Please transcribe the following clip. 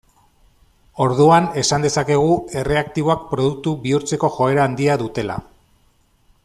Orduan, esan dezakegu, erreaktiboak produktu bihurtzeko joera handia dutela.